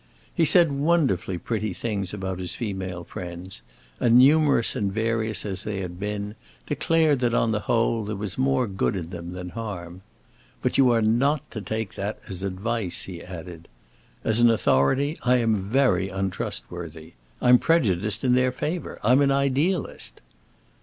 He said wonderfully pretty things about his female friends, and, numerous and various as they had been, declared that on the whole there was more good in them than harm. "But you are not to take that as advice," he added. "As an authority I am very untrustworthy. I'm prejudiced in their favor; I'm an idealist!"